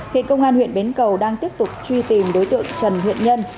hiện công an huyện bến cầu đang tiếp tục truy tìm đối tượng trần huyện nhân